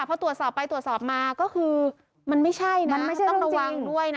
พอตรวจสอบไปตรวจสอบมาก็คือมันไม่ใช่นะต้องระวังด้วยนะ